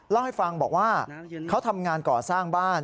เล่าให้ฟังบอกว่าเขาทำงานก่อสร้างบ้าน